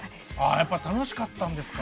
あやっぱ楽しかったんですか。